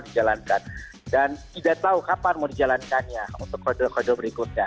dan tidak tahu kapan mau dijalankannya untuk koridor koridor berikutnya